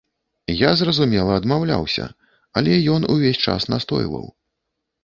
Я, зразумела, адмаўляўся, але ён увесь час настойваў.